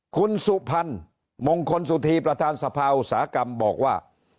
คุณสุพรรณมงคลสุธีประธานสภาอุตสาหกรรมบอกว่า